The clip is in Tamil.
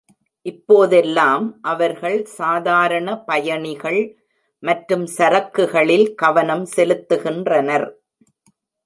இப்போதெல்லாம் அவர்கள் சாதாரண பயணிகள் மற்றும் சரக்குகளில் கவனம் செலுத்துகின்றனர்.